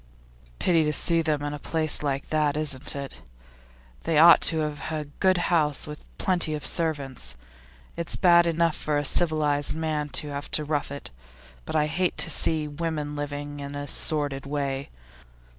'Pity to see them in a place like that, isn't it? They ought to have a good house, with plenty of servants. It's bad enough for a civilised man to have to rough it, but I hate to see women living in a sordid way.